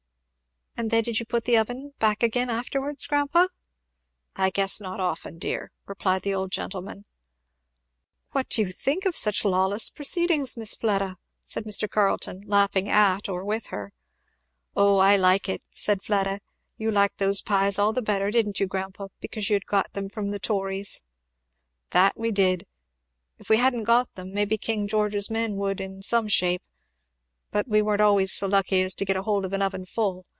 "And then did you put the oven back again afterwards, grandpa?" "I guess not often, dear!" replied the old gentleman. "What do you think of such lawless proceedings, Miss Fleda?" said Mr. Carleton, laughing at or with her. "O I like it," said Fleda. "You liked those pies all the better, didn't you, grandpa, because you had got them from the tories?" "That we did! If we hadn't got them maybe King George's men would, in some shape. But we weren't always so lucky as to get hold of an oven full.